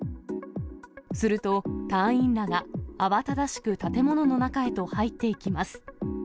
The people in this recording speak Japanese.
すると、隊員らが慌ただしく建物の中へと入っていきます。